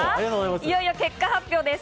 いよいよ結果発表です。